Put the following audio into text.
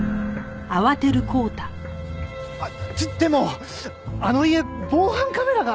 あっでもあの家防犯カメラがあるみたいで。